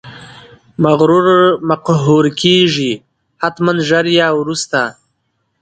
مغرور مقهور کیږي، حتمأ ژر یا وروسته!